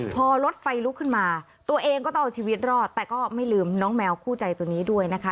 พอรถไฟลุกขึ้นมาตัวเองก็ต้องเอาชีวิตรอดแต่ก็ไม่ลืมน้องแมวคู่ใจตัวนี้ด้วยนะคะ